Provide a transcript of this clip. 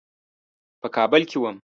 په کابل کې وم.